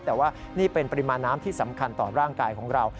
แต่ว่านี่เป็นปริมาณน้ำที่สำคัญต่อร่างกายของเรา